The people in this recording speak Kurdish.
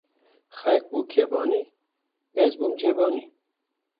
Xelk bû kebanî, ez bûm cebanî